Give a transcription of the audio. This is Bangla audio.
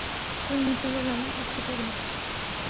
তুমি মিথ্যা বললে আমি বুঝতে পারি।